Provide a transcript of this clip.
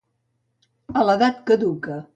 A l'edat caduca.